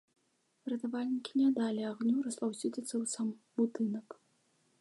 Ратавальнікі не далі агню распаўсюдзіцца ў сам будынак.